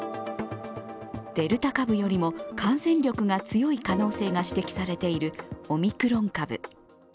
デルタ株よりも感染力が強い可能性が指摘されているオミクロン株。